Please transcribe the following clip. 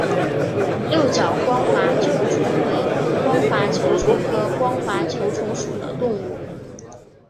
六角光滑球虫为光滑球虫科光滑球虫属的动物。